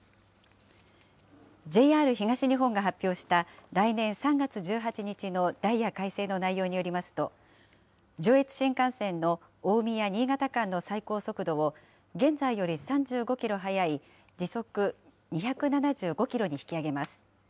ＪＲ東日本が発表した、来年３月１８日のダイヤ改正の内容によりますと、上越新幹線の大宮・新潟間の最高速度を、現在より３５キロ速い、時速２７５キロに引き上げます。